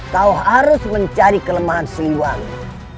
kau harus mencari kelemahan seliwangi